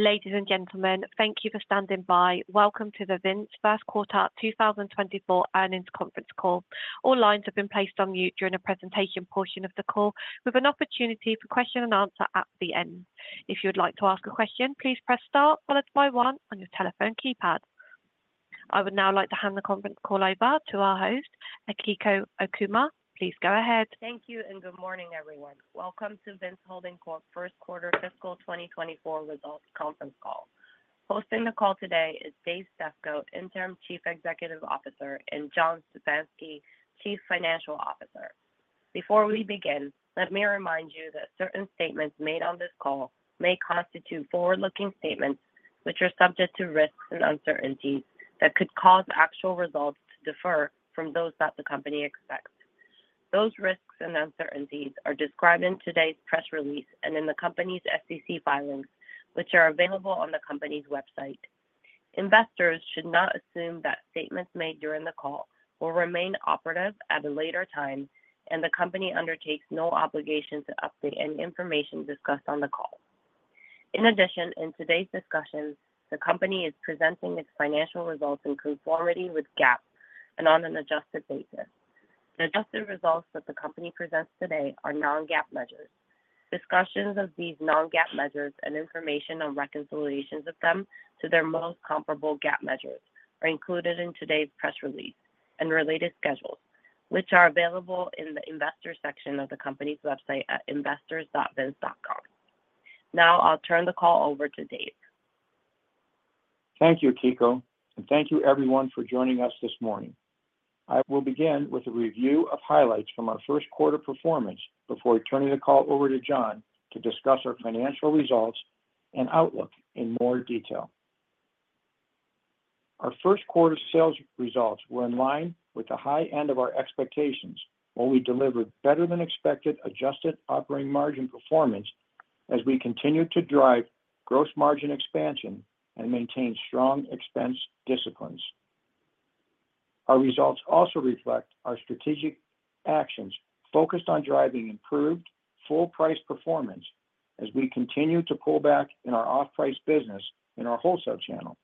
Ladies and gentlemen, thank you for standing by. Welcome to the Vince Q1 2024 earnings conference call. All lines have been placed on mute during the presentation portion of the call, with an opportunity for question and answer at the end. If you would like to ask a question, please press star followed by one on your telephone keypad. I would now like to hand the conference call over to our host, Akiko Okuma. Please go ahead. Thank you, and good morning, everyone. Welcome to Vince Holding Corp's Q1 fiscal 2024 results conference call. Hosting the call today is Dave Stefko, Interim Chief Executive Officer, and John Szczepanski, Chief Financial Officer. Before we begin, let me remind you that certain statements made on this call may constitute forward-looking statements, which are subject to risks and uncertainties that could cause actual results to differ from those that the company expects. Those risks and uncertainties are described in today's press release and in the company's SEC filings, which are available on the company's website. Investors should not assume that statements made during the call will remain operative at a later time, and the company undertakes no obligation to update any information discussed on the call. In addition, in today's discussions, the company is presenting its financial results in conformity with GAAP and on an adjusted basis. The adjusted results that the company presents today are non-GAAP measures. Discussions of these non-GAAP measures and information on reconciliations of them to their most comparable GAAP measures are included in today's press release and related schedules, which are available in the Investors section of the company's website at investors.vince.com. Now, I'll turn the call over to Dave. Thank you, Akiko, and thank you everyone for joining us this morning. I will begin with a review of highlights from our Q1 performance before turning the call over to John to discuss our financial results and outlook in more detail. Our Q1 sales results were in line with the high end of our expectations, where we delivered better than expected adjusted operating margin performance as we continued to drive gross margin expansion and maintain strong expense disciplines. Our results also reflect our strategic actions focused on driving improved full price performance as we continue to pull back in our off-price business in our wholesale channel,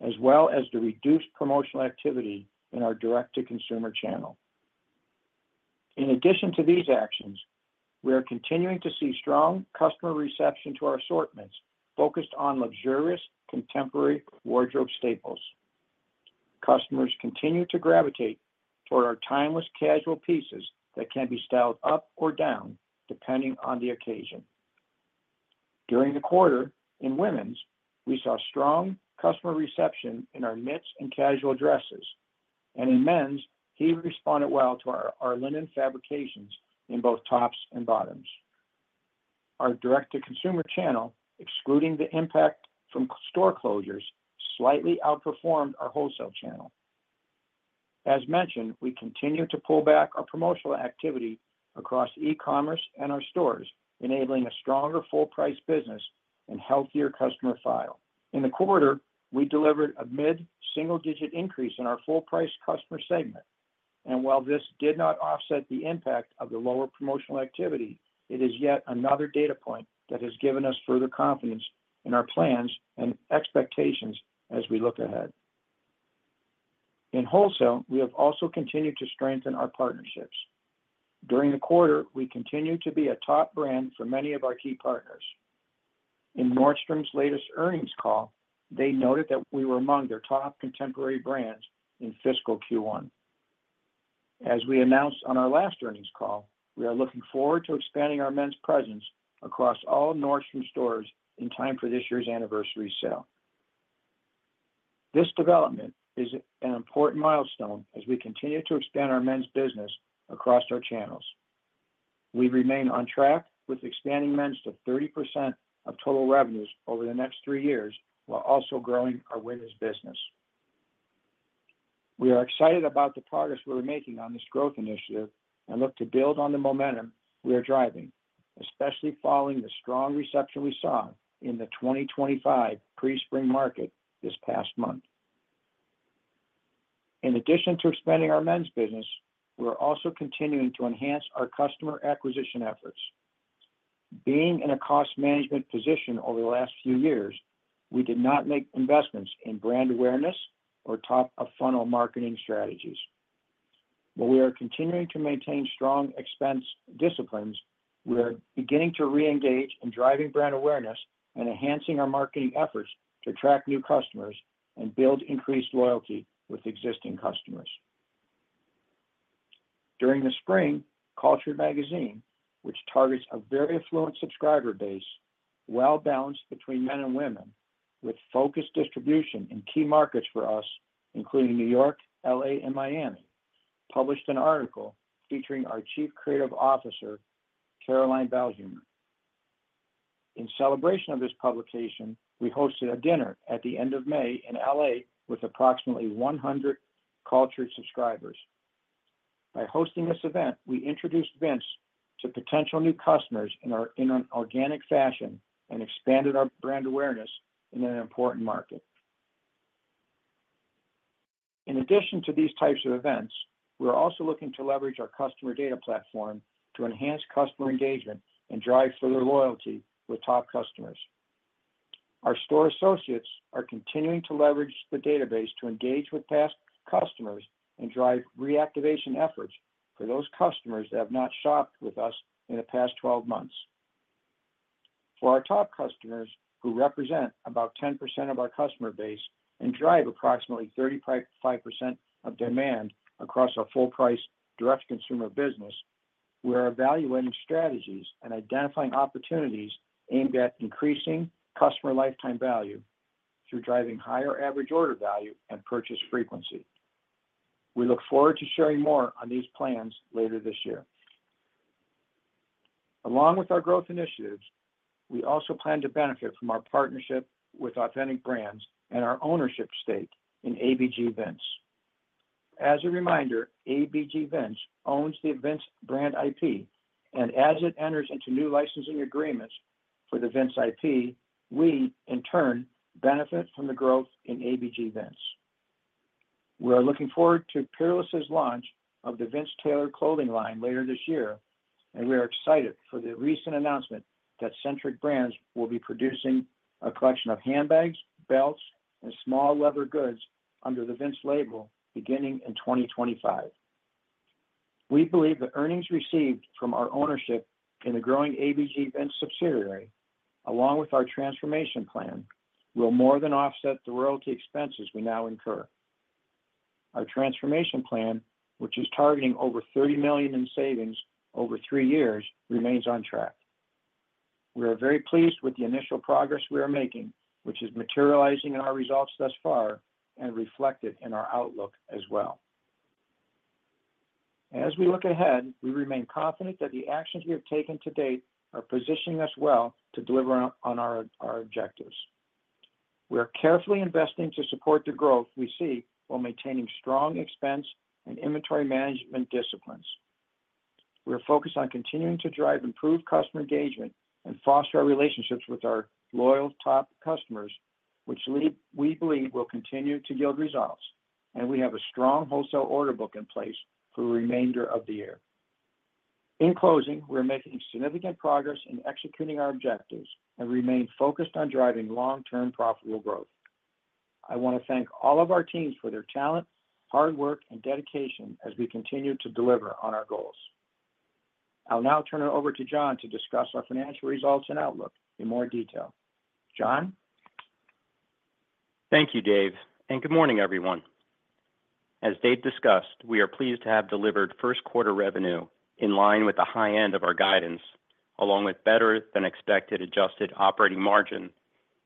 as well as the reduced promotional activity in our direct-to-consumer channel. In addition to these actions, we are continuing to see strong customer reception to our assortments, focused on luxurious, contemporary wardrobe staples. Customers continue to gravitate toward our timeless, casual pieces that can be styled up or down, depending on the occasion. During the quarter, in women's, we saw strong customer reception in our knits and casual dresses, and in men's, they responded well to our linen fabrications in both tops and bottoms. Our direct-to-consumer channel, excluding the impact from store closures, slightly outperformed our wholesale channel. As mentioned, we continue to pull back our promotional activity across e-commerce and our stores, enabling a stronger full price business and healthier customer file. In the quarter, we delivered a mid-single-digit increase in our full price customer segment, and while this did not offset the impact of the lower promotional activity, it is yet another data point that has given us further confidence in our plans and expectations as we look ahead. In wholesale, we have also continued to strengthen our partnerships. During the quarter, we continued to be a top brand for many of our key partners. In Nordstrom's latest earnings call, they noted that we were among their top contemporary brands in fiscal Q1. As we announced on our last earnings call, we are looking forward to expanding our men's presence across all Nordstrom stores in time for this year's Anniversary Sale. This development is an important milestone as we continue to expand our men's business across our channels. We remain on track with expanding men's to 30% of total revenues over the next three years, while also growing our women's business. We are excited about the progress we are making on this growth initiative and look to build on the momentum we are driving, especially following the strong reception we saw in the 2025 Pre-Spring market this past month. In addition to expanding our men's business, we are also continuing to enhance our customer acquisition efforts. Being in a cost management position over the last few years, we did not make investments in brand awareness or top-of-funnel marketing strategies. While we are continuing to maintain strong expense disciplines, we are beginning to reengage in driving brand awareness and enhancing our marketing efforts to attract new customers and build increased loyalty with existing customers. During the spring, Cultured Magazine, which targets a very affluent subscriber base, well-balanced between men and women, with focused distribution in key markets for us, including New York, L.A., and Miami, published an article featuring our Chief Creative Officer, Caroline Belhumeur. In celebration of this publication, we hosted a dinner at the end of May in L.A. with approximately 100 Cultured subscribers. By hosting this event, we introduced Vince to potential new customers in an organic fashion and expanded our brand awareness in an important market. In addition to these types of events, we are also looking to leverage our customer data platform to enhance customer engagement and drive further loyalty with top customers. Our store associates are continuing to leverage the database to engage with past customers and drive reactivation efforts for those customers that have not shopped with us in the past 12 months. For our top customers, who represent about 10% of our customer base and drive approximately 35% of demand across our full price direct-to-consumer business, we are evaluating strategies and identifying opportunities aimed at increasing customer lifetime value through driving higher average order value and purchase frequency. We look forward to sharing more on these plans later this year. Along with our growth initiatives, we also plan to benefit from our partnership with Authentic Brands and our ownership stake in ABG Vince. As a reminder, ABG Vince owns the Vince brand IP, and as it enters into new licensing agreements for the Vince IP, we in turn benefit from the growth in ABG Vince. We are looking forward to Peerless's launch of the Vince tailored clothing line later this year, and we are excited for the recent announcement that Centric Brands will be producing a collection of handbags, belts, and small leather goods under the Vince label beginning in 2025. We believe the earnings received from our ownership in the growing ABG Vince subsidiary, along with our transformation plan, will more than offset the royalty expenses we now incur. Our transformation plan, which is targeting over $30 million in savings over three years, remains on track. We are very pleased with the initial progress we are making, which is materializing in our results thus far and reflected in our outlook as well. As we look ahead, we remain confident that the actions we have taken to date are positioning us well to deliver on our objectives. We are carefully investing to support the growth we see, while maintaining strong expense and inventory management disciplines. We are focused on continuing to drive improved customer engagement and foster our relationships with our loyal top customers, which we believe will continue to yield results, and we have a strong wholesale order book in place for the remainder of the year. In closing, we are making significant progress in executing our objectives and remain focused on driving long-term profitable growth. I want to thank all of our teams for their talent, hard work, and dedication as we continue to deliver on our goals. I'll now turn it over to John to discuss our financial results and outlook in more detail. John? Thank you, Dave, and good morning, everyone. As Dave discussed, we are pleased to have delivered Q1 revenue in line with the high end of our guidance, along with better-than-expected adjusted operating margin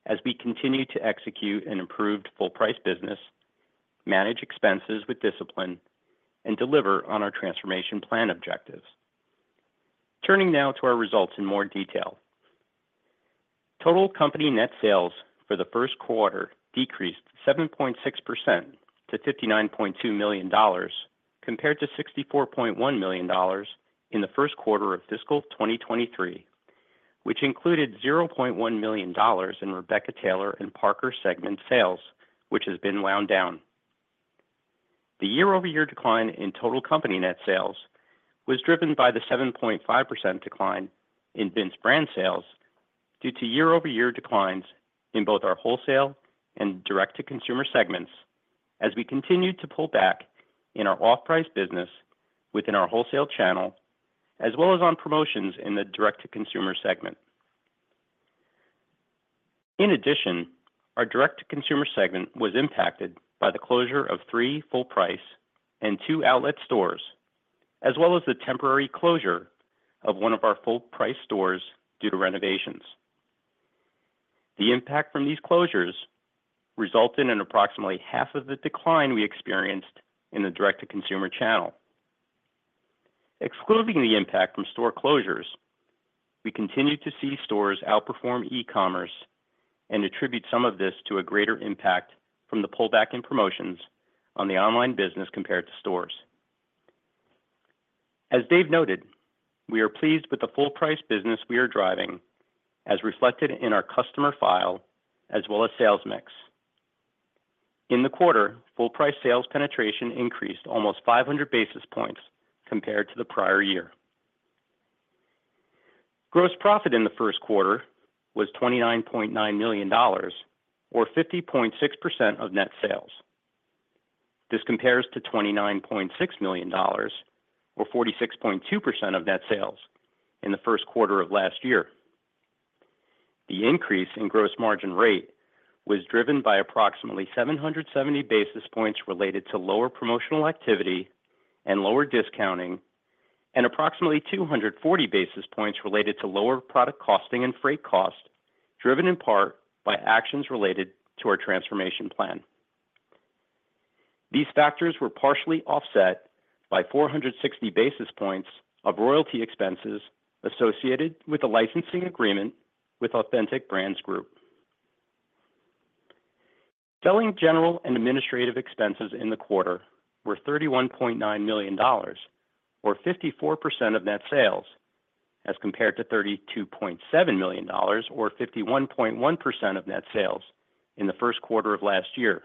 as we continue to execute an improved full price business, manage expenses with discipline, and deliver on our transformation plan objectives. Turning now to our results in more detail. Total company net sales for the Q1 decreased 7.6% to $59.2 million, compared to $64.1 million in the Q1 of fiscal 2023, which included $0.1 million in Rebecca Taylor and Parker segment sales, which has been wound down. The year-over-year decline in total company net sales was driven by the 7.5% decline in Vince brand sales due to year-over-year declines in both our wholesale and direct-to-consumer segments as we continued to pull back in our off-price business within our wholesale channel, as well as on promotions in the direct-to-consumer segment. In addition, our direct-to-consumer segment was impacted by the closure of three full-price and two outlet stores, as well as the temporary closure of one of our full-price stores due to renovations. The impact from these closures resulted in approximately half of the decline we experienced in the direct-to-consumer channel. Excluding the impact from store closures, we continued to see stores outperform e-commerce and attribute some of this to a greater impact from the pullback in promotions on the online business compared to stores. As Dave noted, we are pleased with the full price business we are driving, as reflected in our customer file as well as sales mix. In the quarter, full price sales penetration increased almost 500 basis points compared to the prior year. Gross profit in the Q1 was $29.9 million, or 50.6% of net sales. This compares to $29.6 million, or 46.2% of net sales, in the Q1 of last year. The increase in gross margin rate was driven by approximately 770 basis points related to lower promotional activity and lower discounting, and approximately 240 basis points related to lower product costing and freight cost, driven in part by actions related to our transformation plan. These factors were partially offset by 460 basis points of royalty expenses associated with the licensing agreement with Authentic Brands Group. Selling, general and administrative expenses in the quarter were $31.9 million, or 54% of net sales, as compared to $32.7 million or 51.1% of net sales in the Q1 of last year.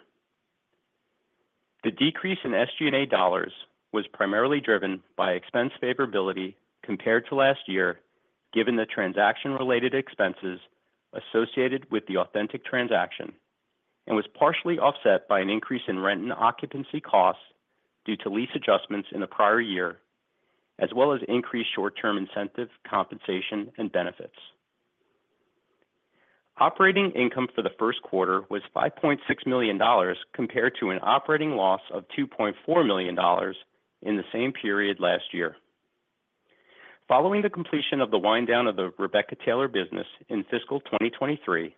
The decrease in SG&A dollars was primarily driven by expense favorability compared to last year, given the transaction-related expenses associated with the Authentic transaction, and was partially offset by an increase in rent and occupancy costs due to lease adjustments in the prior year, as well as increased short-term incentive compensation and benefits. Operating income for the Q1 was $5.6 million, compared to an operating loss of $2.4 million in the same period last year. Following the completion of the wind down of the Rebecca Taylor business in fiscal 2023,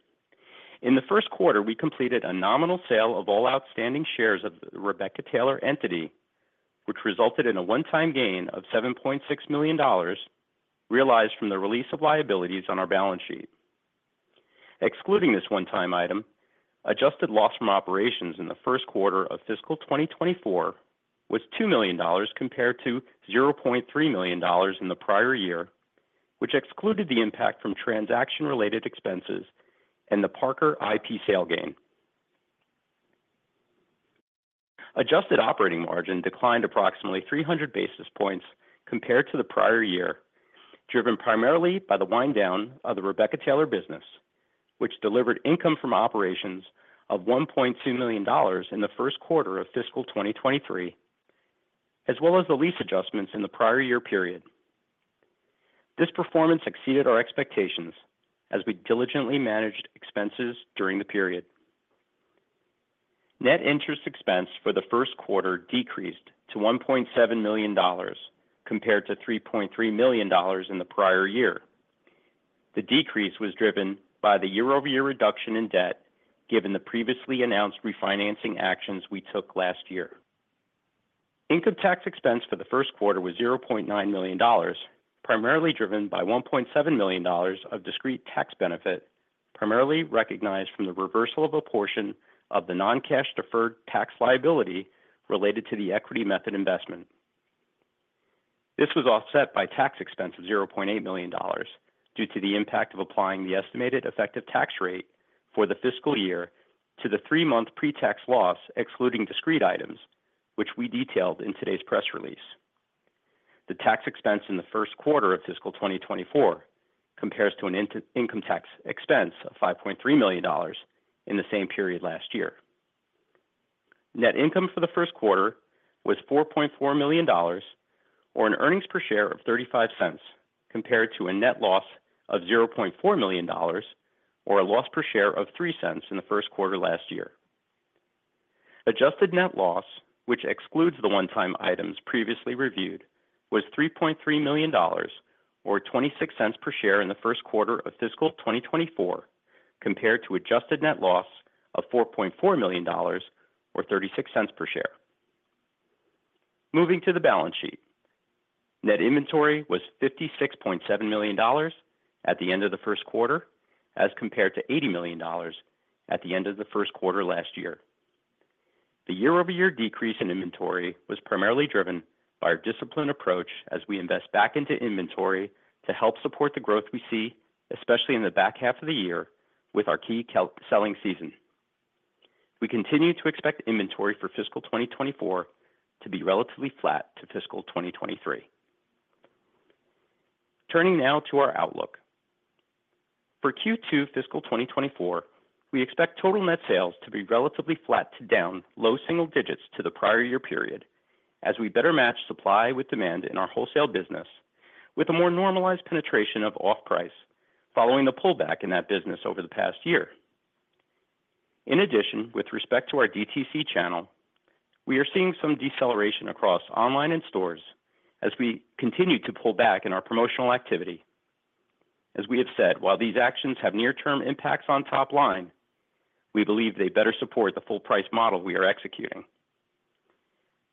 in the Q1, we completed a nominal sale of all outstanding shares of the Rebecca Taylor entity, which resulted in a one-time gain of $7.6 million, realized from the release of liabilities on our balance sheet. Excluding this one-time item, adjusted loss from operations in the Q1 of fiscal 2024 was $2 million, compared to $0.3 million in the prior year, which excluded the impact from transaction-related expenses and the Parker IP sale gain. Adjusted operating margin declined approximately 300 basis points compared to the prior year, driven primarily by the wind down of the Rebecca Taylor business, which delivered income from operations of $1.2 million in the Q1 of fiscal 2023, as well as the lease adjustments in the prior year period. This performance exceeded our expectations as we diligently managed expenses during the period. Net interest expense for the Q1 decreased to $1.7 million, compared to $3.3 million in the prior year. The decrease was driven by the year-over-year reduction in debt, given the previously announced refinancing actions we took last year. Income tax expense for the Q1 was $0.9 million, primarily driven by $1.7 million of discrete tax benefit, primarily recognized from the reversal of a portion of the non-cash deferred tax liability related to the equity method investment. This was offset by tax expense of $0.8 million, due to the impact of applying the estimated effective tax rate for the fiscal year to the three-month pre-tax loss, excluding discrete items, which we detailed in today's press release. The tax expense in the Q1 of fiscal 2024 compares to an income tax expense of $5.3 million in the same period last year. Net income for the Q1 was $4.4 million, or an earnings per share of $0.35, compared to a net loss of $0.4 million, or a loss per share of $0.03 in the Q1 last year. Adjusted net loss, which excludes the one-time items previously reviewed, was $3.3 million, or $0.26 per share in the Q1 of fiscal 2024, compared to adjusted net loss of $4.4 million, or $0.36 per share. Moving to the balance sheet. Net inventory was $56.7 million at the end of the Q1, as compared to $80 million at the end of the Q1 last year. The year-over-year decrease in inventory was primarily driven by our disciplined approach as we invest back into inventory to help support the growth we see, especially in the back half of the year with our key holiday selling season. We continue to expect inventory for fiscal 2024 to be relatively flat to fiscal 2023. Turning now to our outlook. For Q2 fiscal 2024, we expect total net sales to be relatively flat to down low single digits to the prior year period, as we better match supply with demand in our wholesale business, with a more normalized penetration of off-price following the pullback in that business over the past year. In addition, with respect to our DTC channel, we are seeing some deceleration across online and stores as we continue to pull back in our promotional activity. As we have said, while these actions have near-term impacts on top line, we believe they better support the full price model we are executing.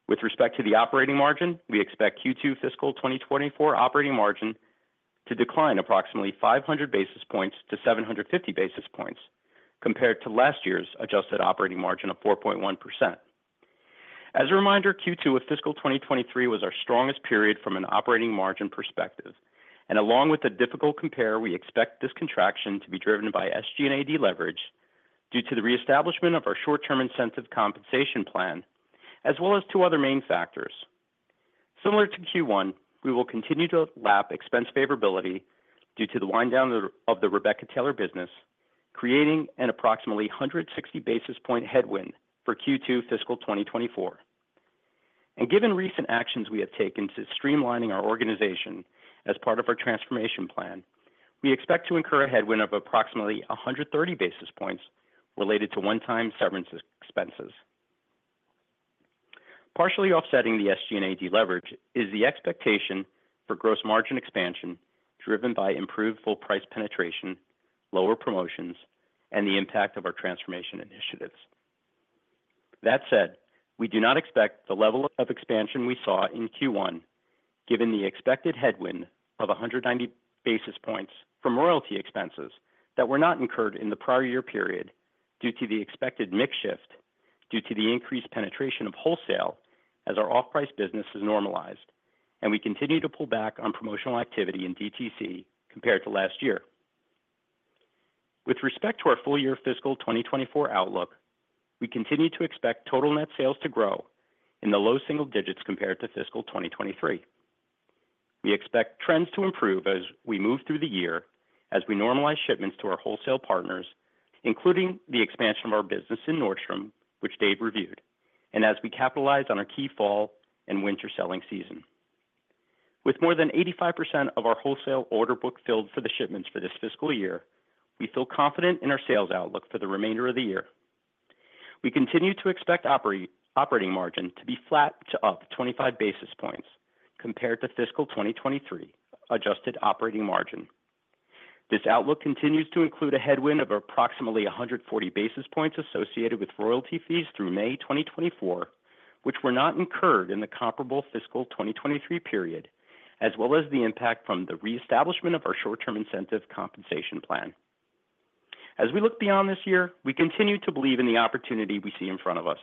With respect to the operating margin, we expect Q2 fiscal 2024 operating margin to decline approximately 500-750 basis points compared to last year's adjusted operating margin of 4.1%. As a reminder, Q2 of fiscal 2023 was our strongest period from an operating margin perspective, and along with a difficult compare, we expect this contraction to be driven by SG&A de-leverage due to the reestablishment of our short-term incentive compensation plan, as well as two other main factors. Similar to Q1, we will continue to lap expense favorability due to the wind down of the Rebecca Taylor business, creating an approximately 160 basis points headwind for Q2 fiscal 2024. Given recent actions we have taken to streamlining our organization as part of our transformation plan, we expect to incur a headwind of approximately 130 basis points related to one-time severance expenses. Partially offsetting the SG&A de-leverage is the expectation for gross margin expansion, driven by improved full price penetration, lower promotions, and the impact of our transformation initiatives. That said, we do not expect the level of expansion we saw in Q1, given the expected headwind of 190 basis points from royalty expenses that were not incurred in the prior year period due to the expected mix shift due to the increased penetration of wholesale as our off-price business is normalized, and we continue to pull back on promotional activity in DTC compared to last year. With respect to our full-year fiscal 2024 outlook, we continue to expect total net sales to grow in the low single digits compared to fiscal 2023. We expect trends to improve as we move through the year as we normalize shipments to our wholesale partners, including the expansion of our business in Nordstrom, which Dave reviewed, and as we capitalize on our key fall and winter selling season. With more than 85% of our wholesale order book filled for the shipments for this fiscal year, we feel confident in our sales outlook for the remainder of the year. We continue to expect operating margin to be flat to up 25 basis points compared to fiscal 2023 adjusted operating margin. This outlook continues to include a headwind of approximately 140 basis points associated with royalty fees through May 2024, which were not incurred in the comparable fiscal 2023 period, as well as the impact from the reestablishment of our short-term incentive compensation plan. As we look beyond this year, we continue to believe in the opportunity we see in front of us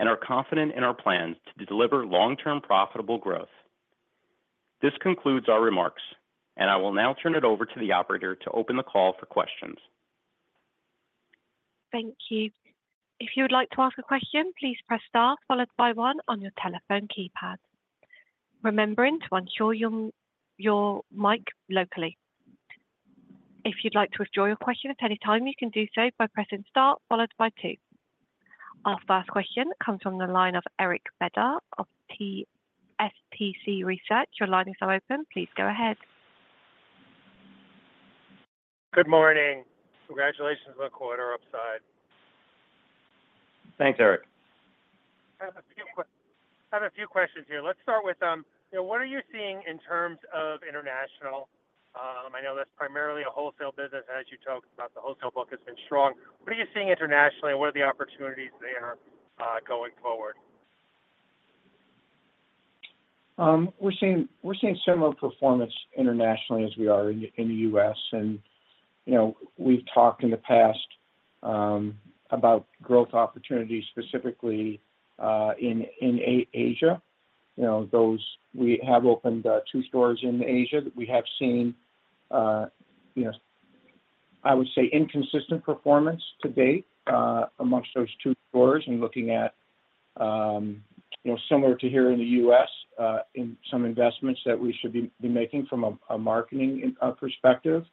and are confident in our plans to deliver long-term profitable growth. This concludes our remarks, and I will now turn it over to the operator to open the call for questions. Thank you. If you would like to ask a question, please press star followed by one on your telephone keypad, remembering to unmute your mic locally. If you'd like to withdraw your question at any time, you can do so by pressing star followed by two. Our first question comes from the line of Eric Beder of Small Cap Consumer Research. Your line is now open. Please go ahead. Good morning. Congratulations on the quarter upside. Thanks, Eric. I have a few questions here. Let's start with, you know, what are you seeing in terms of international? I know that's primarily a wholesale business. as you talked about, the wholesale book has been strong. What are you seeing internationally, and what are the opportunities there, going forward? We're seeing, we're seeing similar performance internationally as we are in, in the US. And, you know, we've talked in the past, about growth opportunities, specifically, in, in Asia. You know, those... We have opened, two stores in Asia we have seen, you know, I would say, inconsistent performance to date, amongst those two stores and looking at, you know, similar to here in the US, in some investments that we should be, be making from a, a marketing, perspective.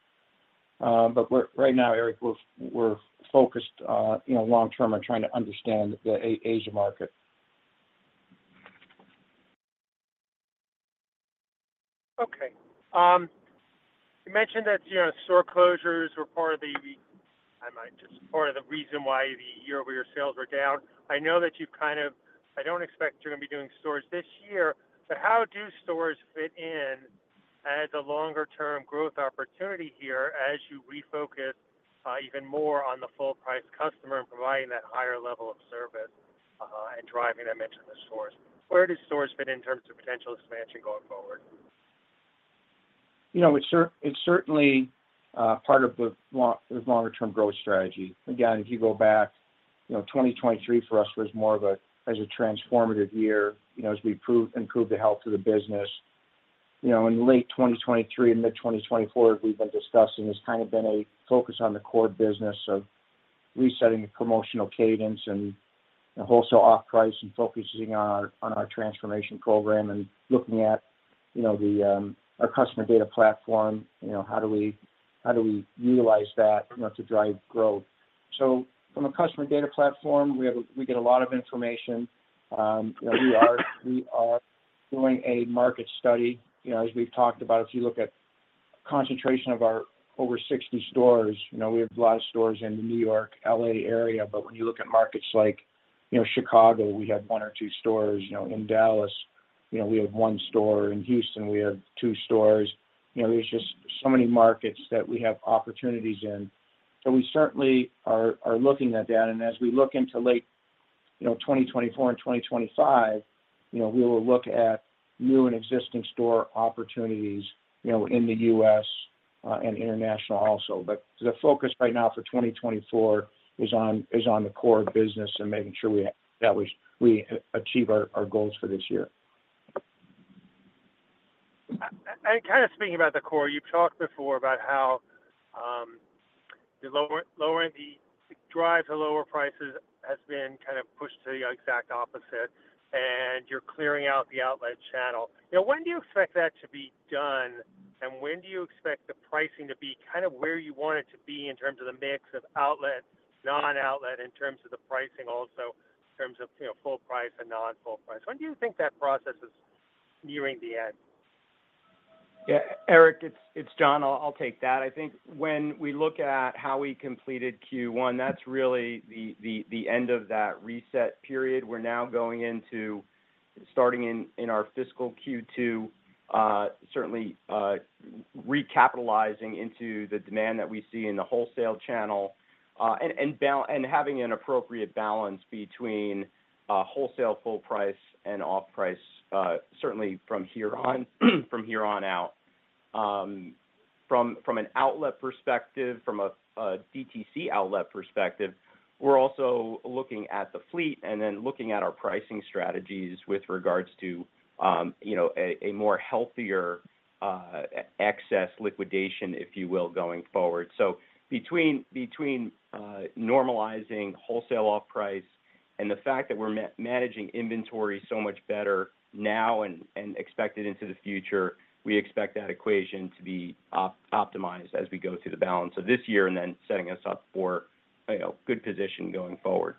But we're right now, Eric, we're, we're focused, you know, long term on trying to understand the Asia market. Okay. You mentioned that, you know, store closures were part of the reason why the year-over-year sales were down. I know that you've kind of—I don't expect you're going to be doing stores this year, but how do stores fit in as a longer-term growth opportunity here as you refocus even more on the full-price customer and providing that higher level of service, and driving, I mentioned, the stores? Where do stores fit in terms of potential expansion going forward? You know, it's certainly part of the longer-term growth strategy again, if you go back, you know, 2023 for us was more of a transformative year, you know, as we improve the health of the business. You know, in late 2023 and mid 2024, as we've been discussing, has kind of been a focus on the core business of resetting the promotional cadence and the wholesale off-price and focusing on our transformation program and looking at, you know, our customer data platform, you know, how do we utilize that, you know, to drive growth? So, from a customer data platform, we get a lot of information. You know, we are doing a market study. You know, as we've talked about, if you look at concentration of our over 60 stores, you know, we have a lot of stores in the New York, L.A. area, but when you look at markets like, you know, Chicago, we have one or two stores you know, in Dallas, you know, we have one store in Houston, we have two stores you know, there's just so many markets that we have opportunities in. So we certainly are looking at that and as we look into late, you know, 2024 and 2025, you know, we will look at new and existing store opportunities, you know, in the U.S. and international also but, the focus right now for 2024 is on the core business and making sure we achieve our goals for this year. And kind of speaking about the core, you've talked before about how the drive to lower prices has been kind of pushed to the exact opposite, and you're clearing out the outlet channel. You know, when do you expect that to be done, and when do you expect the pricing to be kind of where you want it to be in terms of the mix of outlet, non-outlet, in terms of the pricing, also in terms of, you know, full price and non-full price? When do you think that process is nearing the end? Yeah, Eric, it's John. I'll take that. I think when we look at how we completed Q1, that's really the end of that reset period we're now going into, starting in our fiscal Q2, certainly recapitalizing into the demand that we see in the wholesale channel, and having an appropriate balance between wholesale full price and off price, certainly from here on out. From an outlet perspective, from a DTC outlet perspective, we're also looking at the fleet and then looking at our pricing strategies with regards to, you know, a more healthier excess liquidation, if you will, going forward. Between normalizing wholesale off-price and the fact that we're managing inventory so much better now and expected into the future, we expect that equation to be optimized as we go through the balance of this year and then setting us up for, you know, good position going forward.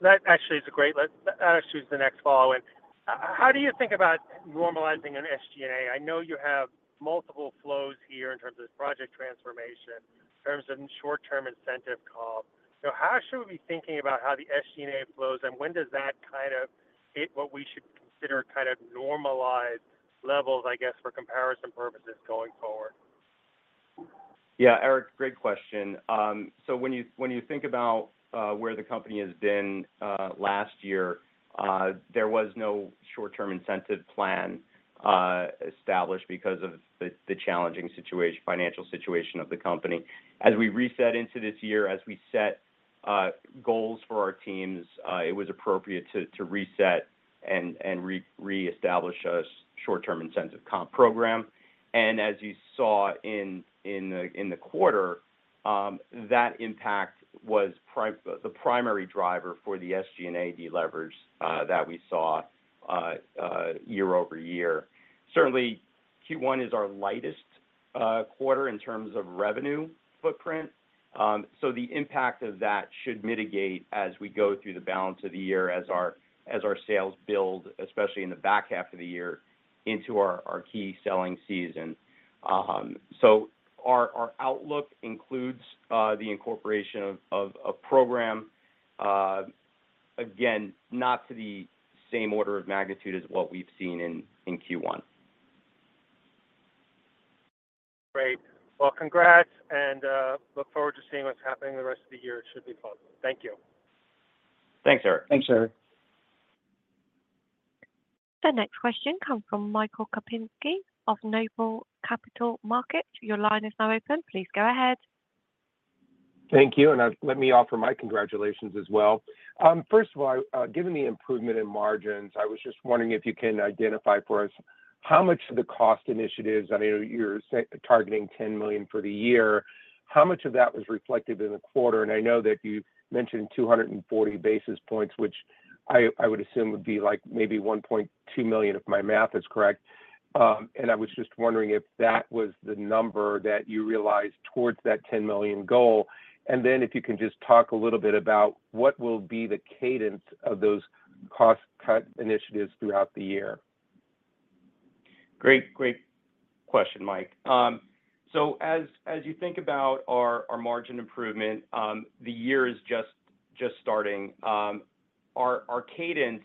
Let's, I'll just choose the next follow-in. How do you think about? normalizing an SG&A? I know you have multiple flows here in terms of project transformation, in terms of short-term incentive comp. So how should we be thinking about how the SG&A flows? and when does that kind of hit what we should consider kind of normalized levels, I guess, for comparison purposes going forward? Yeah, Eric, great question. So when you think about where the company has been last year, there was no short-term incentive plan established because of the challenging situation, financial situation of the company. As we reset into this year, as we set goals for our teams, it was appropriate to reset and reestablish a short-term incentive comp program. And as you saw in the quarter, that impact was the primary driver for the SG&A deleverage that we saw year-over-year. Certainly, Q1 is our lightest quarter in terms of revenue footprint. So the impact of that should mitigate as we go through the balance of the year as our, as our sales build, especially in the back half of the year, into our, our key selling season. Our outlook includes the incorporation of, of a program, again, not to the same order of magnitude as what we've seen in, in Q1. Great. Well, congrats, and, look forward to seeing what's happening the rest of the year. It should be positive. Thank you. Thanks, Eric. Thanks, Eric. The next question comes from Michael Kupinski of Noble Capital Markets. Your line is now open. Please go ahead. Thank you, and let me offer my congratulations as well. First of all, given the improvement in margins, I was just wondering if you can identify for us how much of the cost initiatives? I know you're targeting $10 million for the year. How much of that was reflected in the quarter? And I know that you mentioned 240 basis points, which I would assume would be, like, maybe $1.2 million, if my math is correct. And I was just wondering if that was the number that you realized towards that $10 million goal. And then, if you can just talk a little bit about what will be the cadence of those cost-cut initiatives throughout the year. Great, great question, Mike. So as you think about our margin improvement, the year is just starting. Our cadence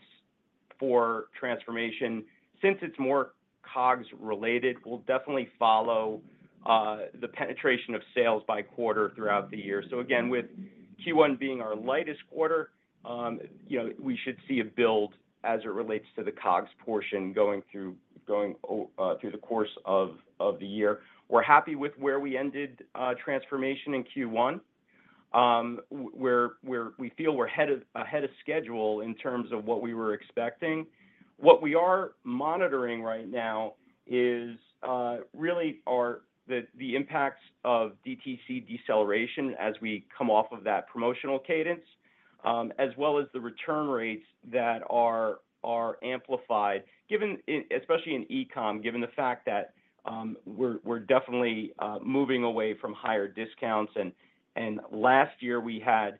for transformation, since it's more COGS related, will definitely follow the penetration of sales by quarter throughout the year. Again, with Q1 being our lightest quarter? you know, we should see a build as it relates to the COGS portion going through the course of the year. We're happy with where we ended transformation in Q1. We feel we're ahead of schedule in terms of what we were expecting. What we are monitoring right now is really our the impacts of DTC deceleration as we come off of that promotional cadence, as well as the return rates that are amplified, given, especially in e-com, given the fact that, we're definitely moving away from higher discounts and last year we had,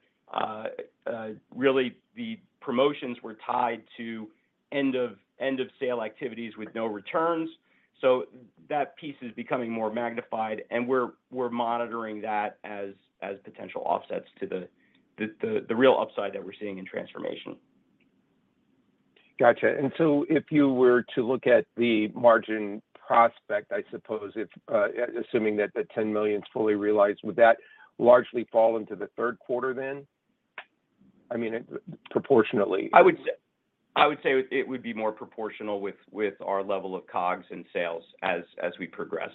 really the promotions were tied to end of sale activities with no returns. So, that piece is becoming more magnified, and we're monitoring that as potential offsets to the real upside that we're seeing in transformation. Gotcha. And so if you were to look at the margin prospect, I suppose, if, assuming that the $10 million is fully realized, would that largely fall into the Q3 then? I mean, proportionately. I would say it would be more proportional with our level of COGS and sales as we progress.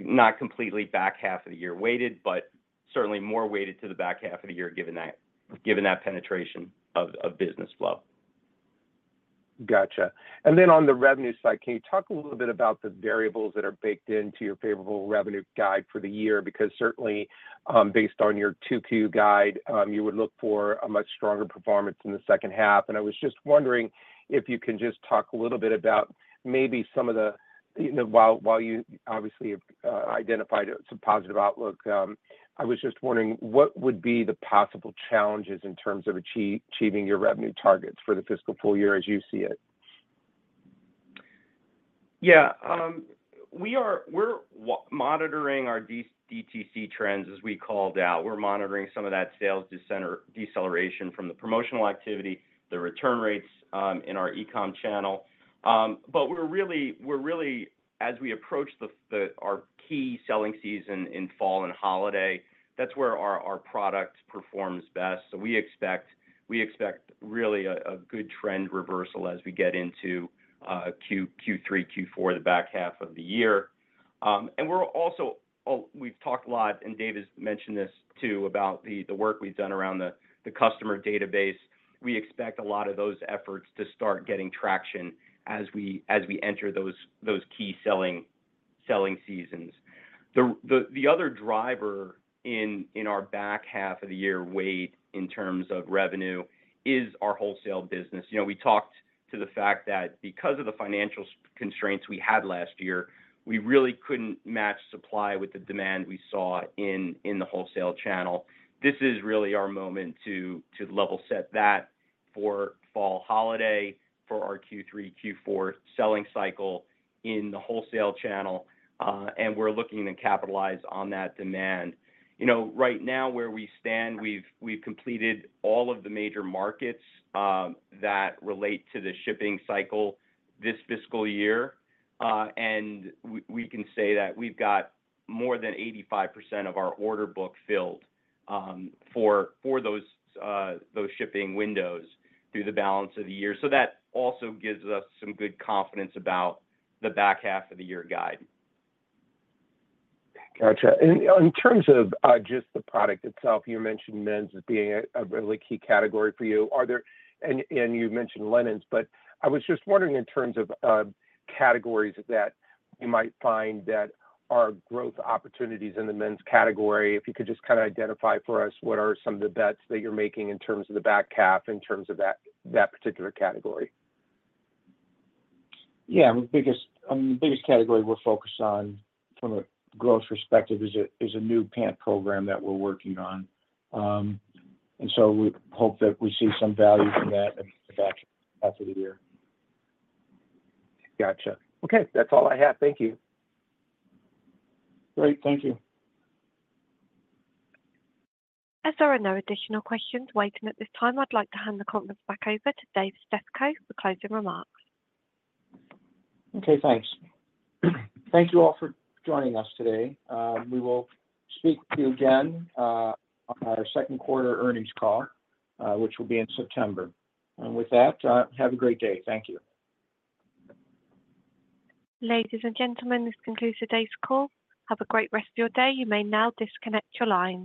Not completely back half of the year weighted, but, certainly more weighted to the back half of the year, given that penetration of business flow. Gotcha. And then on the revenue side, can you talk a little bit about the variables that are baked into your favorable revenue guide for the year? Because certainly, based on your 2Q guide, you would look for a much stronger performance in the second half and I was just wondering if you can just talk a little bit about maybe some of the... you know, while you obviously have identified some positive outlook, I was just wondering what would be the possible challenges in terms of achieving your revenue targets for the fiscal full year as you see it? Yeah, we are monitoring our DTC trends, as we called out we're monitoring some of that sales deceleration from the promotional activity, the return rates in our e-com channel. But we're really, as we approach our key selling season in fall and holiday, that's where our product performs best we expect really a good trend reversal as we get into Q3, Q4, the back half of the year. And we're also, we've talked a lot, and Dave has mentioned this, too, about the work we've done around the customer database. We expect a lot of those efforts to start getting traction as we enter those key selling seasons. The other driver in our back half of the year weight in terms of revenue is our wholesale business you know, we talked to the fact that because of the financial constraints we had last year, we really couldn't match supply with the demand we saw in the wholesale channel. This is really our moment to level set that for fall holiday, for our Q3, Q4 selling cycle in the wholesale channel. And we're looking to capitalize on that demand. You know, right now, where we stand, we've completed all of the major markets, that relate to the shipping cycle this fiscal year. And we can say that we've got more than 85% of our order book filled for those shipping windows through the balance of the year that also gives us some good confidence about the back half of the year guide. Gotcha. And in terms of, just the product itself, you mentioned men's as being a, a really key category for you, and you mentioned linens, but I was just wondering, in terms of, categories that you might find that are growth opportunities in the men's category, if you could just kind of identify for us what are some of the bets that you're making in terms of the back half in terms of that, that particular category? Yeah. I mean, the biggest category we're focused on from a growth perspective is a new pants program that we're working on. And so, we hope that we see some value from that in the back half of the year. Gotcha. Okay, that's all I have. Thank you. Great. Thank you. As there are no additional questions waiting at this time, I'd like to hand the conference back over to Dave Stefko for closing remarks. Okay, thanks. Thank you all for joining us today. We will speak to you again on our Q2 earnings call, which will be in September. With that, have a great day. Thank you. Ladies and gentlemen, this concludes today's call. Have a great rest of your day. You may now disconnect your lines.